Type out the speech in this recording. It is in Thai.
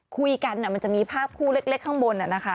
คุยกันเนี่ยมันจะมีภาพคู่เล็กข้างบนอะนะคะ